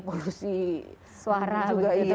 polusi suara juga